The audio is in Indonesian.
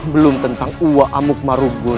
belum tentang uwa amuk marubun